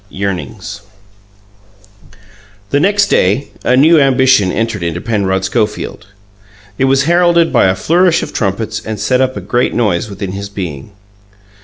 YEARNINGS The next day a new ambition entered into Penrod Schofield; it was heralded by a flourish of trumpets and set up a great noise within his being.